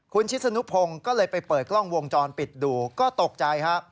คุณชิศนุพงศ์ก็เลยไปเปิดกล้องวงจรปิดดูก็ตกใจฮะ